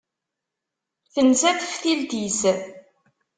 Tensa teftilt-is.